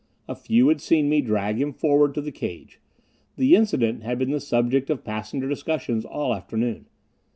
A few had seen me drag him forward to the cage. The incident had been the subject of passenger discussion all afternoon.